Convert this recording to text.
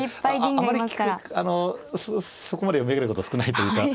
あまりそこまで読み上げること少ないというか。